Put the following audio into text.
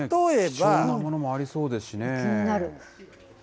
貴重なものもありそうですし気になる。